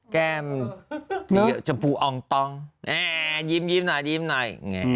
แก้มจับปูอองตองยิ้มหน่อยหน่อย